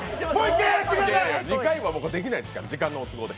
２回はできないですから、時間の都合で。